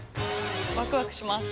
ワクワクします。